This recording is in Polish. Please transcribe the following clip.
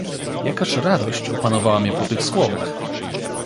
"Jakaż radość opanowała mnie po tych słowach!"